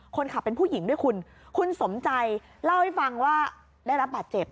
คนขับเป็นผู้หญิงด้วยคุณคุณสมใจเล่าให้ฟังว่าได้รับบาดเจ็บ